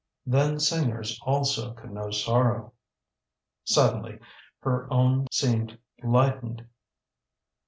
THEN singers also could know sorrow. SUDDENLY her own seemed lightened.